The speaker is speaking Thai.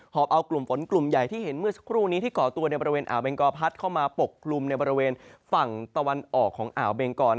อบเอากลุ่มฝนกลุ่มใหญ่ที่เห็นเมื่อสักครู่นี้ที่ก่อตัวในบริเวณอ่าวเบงกอพัดเข้ามาปกกลุ่มในบริเวณฝั่งตะวันออกของอ่าวเบงกร